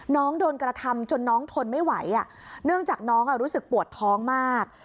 น้องโดนกระทำจนน้องทนไม่ไหวเนื่องจากน้องรู้สึกปวดท้องมาก